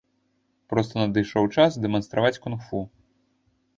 Проста надышоў час дэманстраваць кунг-фу.